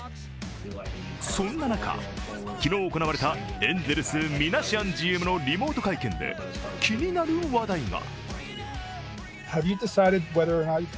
そんな中、昨日行われたエンゼルス、ミナシアンＧＭのリモート会見で気になる話題が。